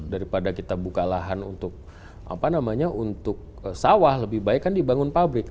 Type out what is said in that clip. daripada kita buka lahan untuk sawah lebih baik dibangun pabrik